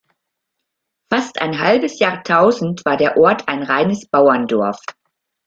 Fast ein halbes Jahrtausend war der Ort ein reines Bauerndorf.